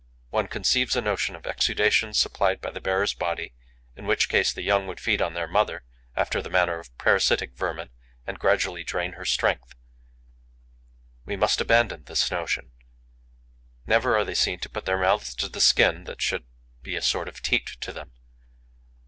One conceives a notion of exudations supplied by the bearer's body, in which case the young would feed on their mother, after the manner of parasitic vermin, and gradually drain her strength. We must abandon this notion. Never are they seen to put their mouths to the skin that should be a sort of teat to them.